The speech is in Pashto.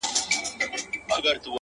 په بنګښ کې بډه خېلې بدې نه دي